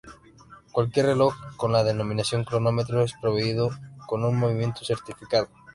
Cualquier reloj con la denominación "cronómetro" es proveído con un movimiento certificado.